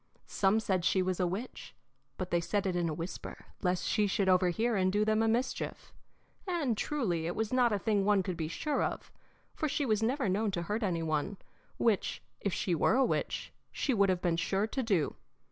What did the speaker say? Some said she was a witch, but they said it in a whisper, lest she should overhear and do them a mischief, and truly it was not a thing one could be sure of, for she was never known to hurt any one, which, if she were a witch, she would have been sure to do.